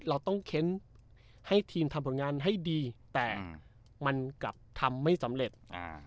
เราต้องเค้นให้ทีมทำผลงานให้ดีแต่มันกลับทำไม่สำเร็จ